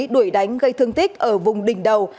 đuổi đánh gây thương tích ở vùng đỉnh đầu